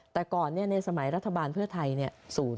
แต่ก่อนในสมัยรัฐบาลเพื่อไทยเนี่ย